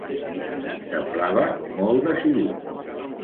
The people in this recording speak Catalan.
Semblava molt decidit.